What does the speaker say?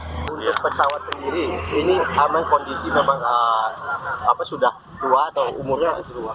untuk pesawat sendiri ini memang kondisi memang sudah tua atau umurnya